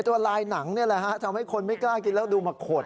ตัวลายหนังนี่แหละฮะทำให้คนไม่กล้ากินแล้วดูมาขด